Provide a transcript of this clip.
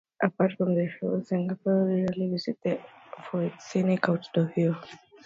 Apart from the shows, Singaporeans usually visit the Esplanade for its scenic outdoor view.